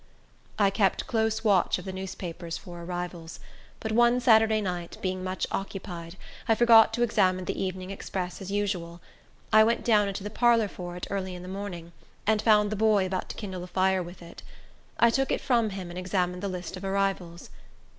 I kept close watch of the newspapers for arrivals; but one Saturday night, being much occupied, I forgot to examine the Evening Express as usual. I went down into the parlor for it, early in the morning, and found the boy about to kindle a fire with it. I took it from him and examined the list of arrivals.